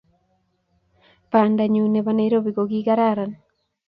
Bandanyu nebo Nairobi kokikararan.